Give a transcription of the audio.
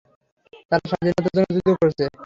তারা স্বাধীনতার জন্য যুদ্ধ করছে।